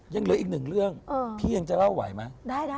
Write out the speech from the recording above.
ยังเหลืออีกหนึ่งเรื่องพี่ยังจะเล่าไหวไหม